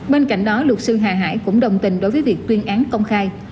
bên cạnh đó luật sư hà hải cũng đồng tình đối với việc tuyên án công khai